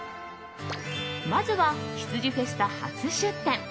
まずは、羊フェスタ初出店。